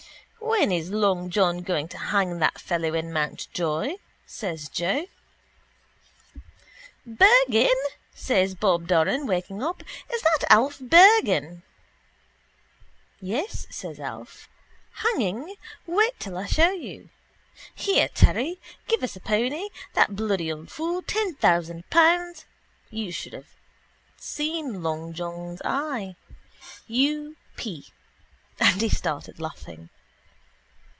—When is long John going to hang that fellow in Mountjoy? says Joe. —Bergan, says Bob Doran, waking up. Is that Alf Bergan? —Yes, says Alf. Hanging? Wait till I show you. Here, Terry, give us a pony. That bloody old fool! Ten thousand pounds. You should have seen long John's eye. U. p .... And he started laughing.